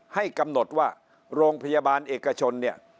ให้กำหนดว่าโรงพยาบาลเอกชนเนี่ย